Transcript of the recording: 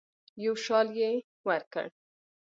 یو شال یې ورکړ.